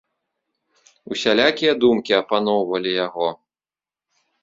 Усялякія думкі апаноўвалі яго.